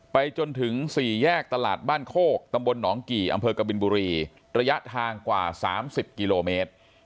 จนถึง๔แยกตลาดบ้านโคกตำบลหนองกี่อำเภอกบินบุรีระยะทางกว่า๓๐กิโลเมตร